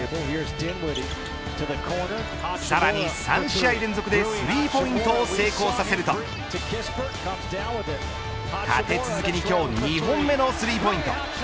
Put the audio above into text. さらに３試合連続でスリーポイントを成功させると立て続けに今日２本目のスリーポイント。